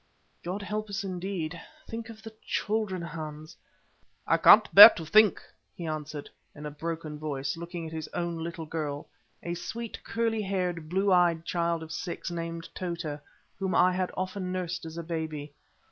"God help us, indeed. Think of the children, Hans!" "I can't bear to think," he answered, in a broken voice, looking at his own little girl, a sweet, curly haired, blue eyed child of six, named Tota, whom I had often nursed as a baby.